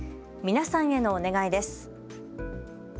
皆さんへのお願いです。